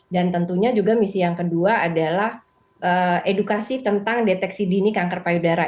dan tentunya juga misi yang kedua adalah edukasi tentang deteksi dini kanker payudara